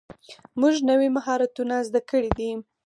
موږ نوي مهارتونه زده کړي دي.